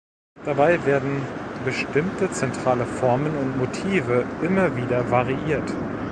Dabei werden bestimmte zentrale Formen und Motive immer wieder variiert.